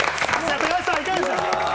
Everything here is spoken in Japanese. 高橋さん、いかがでした？